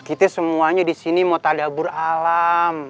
kita semuanya disini mau tadabur alam